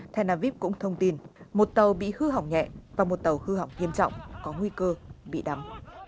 theo nam vip cũng thông tin một tàu bị hư hỏng nhẹ và một tàu hư hỏng nghiêm trọng có nguy cơ bị đắm